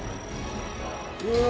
うわ